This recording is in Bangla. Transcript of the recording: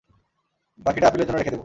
বাকিটা আপিলের জন্য রেখে দেবো।